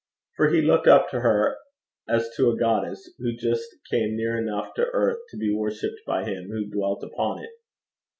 For he looked up to her as to a goddess who just came near enough to the earth to be worshipped by him who dwelt upon it.